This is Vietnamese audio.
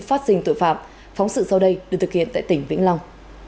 phóng sự sau đây được thực hiện tại tỉnh vĩnh long